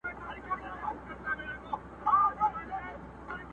زه په خپل ځان کي بندي د خپل زندان یم٫